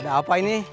ada apa ini